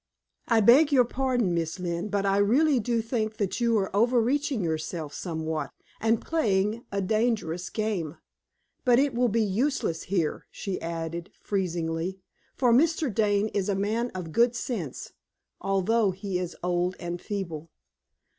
I beg your pardon, Miss Lynne, but I really do think that you are overreaching yourself somewhat, and playing a dangerous game. But it will be useless here," she added, freezingly, "for Mr. Dane is a man of good sense, although he is old and feeble."